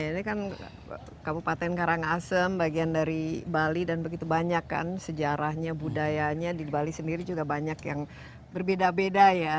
ini kan kabupaten karangasem bagian dari bali dan begitu banyak kan sejarahnya budayanya di bali sendiri juga banyak yang berbeda beda ya